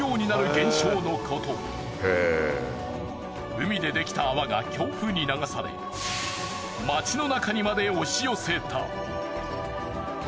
海でできた泡が強風に流され街の中にまで押し寄せた。